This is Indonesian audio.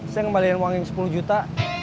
saya ngembalikan uang yang sepuluh juta